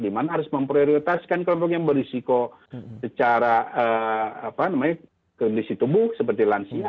dimana harus memprioritaskan kelompok yang berisiko secara kondisi tubuh seperti lansia